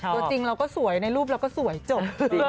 ตัวจริงเราก็สวยในรูปเราก็สวยจบ